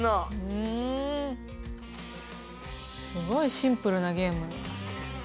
ふんすごいシンプルなゲーム。